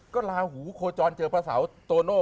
ก็ลาหูโคจรเจอพระเสาโตโน่